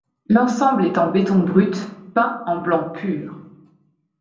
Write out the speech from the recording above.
L'ensemble est en béton brut peint en blanc pur.